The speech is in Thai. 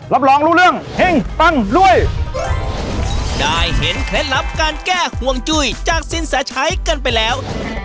รับรองรู้เรื่องเฮ่งปังด้วยได้เห็นเคล็ดลับการแก้ห่วงจุ้ยจากสินแสชัยกันไปแล้ว